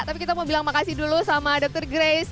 tapi kita mau bilang makasih dulu sama dokter grace